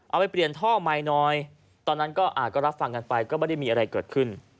เอาไปเปลี่ยนท่อใหม่หน่อยตอนนั้นก็รับฟังกันไปก็ไม่ได้มีอะไรเกิดขึ้น